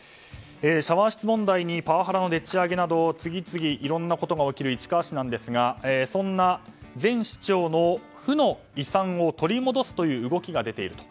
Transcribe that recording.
シャワー室問題にパワハラのでっち上げなど次々いろんなことが起きる市川市ですがそんな前市長の負の遺産を取り戻すという動きが出ていると。